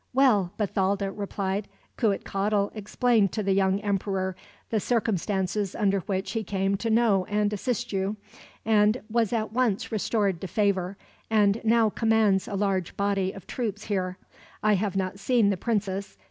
"Well," Bathalda replied. "Cuitcatl explained to the young emperor the circumstances under which he came to know and assist you, and was at once restored to favor, and now commands a large body of troops here. I have not seen the princess.